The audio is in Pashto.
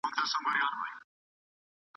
استاد باید د شاګرد علمي نظر ته درناوی وکړي.